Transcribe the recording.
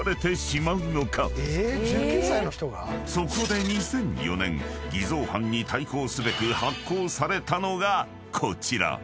［そこで２００４年偽造犯に対抗すべく発行されたのがこちら］